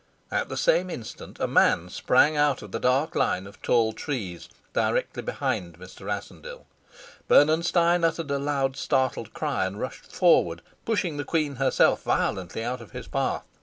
At the same instant a man sprang out of the dark line of tall trees, directly behind Mr. Rassendyll. Bernenstein uttered a loud startled cry and rushed forward, pushing the queen herself violently out of his path.